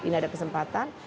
ini ada kesempatan